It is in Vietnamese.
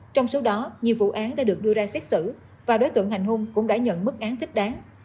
trong số đó nhiều vụ án đã được đưa ra xét xử và đối tượng hành hung cũng đã nhận mức án thích đáng